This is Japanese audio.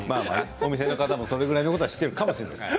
お店の方もそれぐらいのことはしているかもしれません。